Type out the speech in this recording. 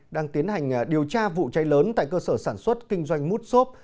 đang tiến hành điều tra vụ cháy lớn tại cơ sở sản xuất kinh doanh mút xốp